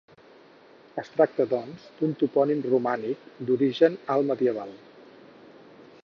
Es tracta, doncs, d'un topònim romànic, d'origen altmedieval.